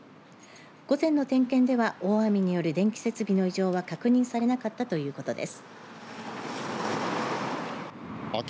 午前の点検では大雨による電気設備の異常は確認されなかったということです。